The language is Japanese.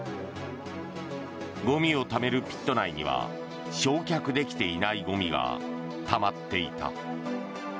ゴミをためるピット内には焼却できていないゴミがたまっていた。